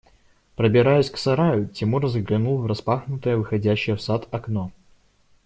Пробираясь к сараю, Тимур заглянул в распахнутое, выходящее в сад окно.